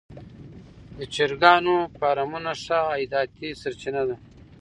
د چرګانو فارمونه ښه عایداتي سرچینه ده.